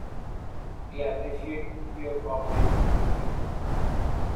We appreciate your cooperation Mr Doe.